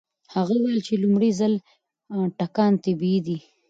هغه وویل چې د لومړي ځل ټکان طبيعي دی.